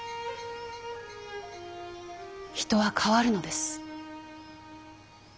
人は変わるのです。